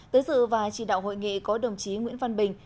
tới dự và chỉ đạo hội nghị có đồng chí nguyễn văn bình